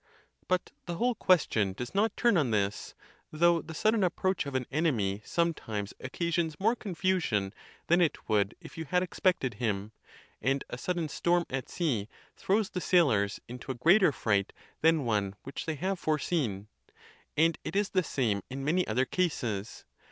But the whole question does not turn on this; though the sudden approach of an enemy some times occasions more confusion than it would if you had expected him, and a sudden storm at sea throws the sail ors into a greater fright than one which they have fore seen; and it is the same in many other cases.